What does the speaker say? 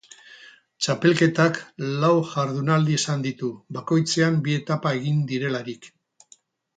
Txapelketak lau jardunaldi izan ditu, bakoitzean bi etapa egin direlarik.